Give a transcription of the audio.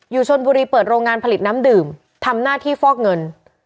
อยู่ชนบุรีเปิดโรงงานผลิตน้ำดื่มทำหน้าที่ฟอกเงิน